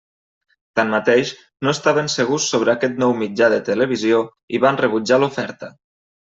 Tanmateix, no estaven segurs sobre aquest nou mitjà de televisió i van rebutjar l'oferta.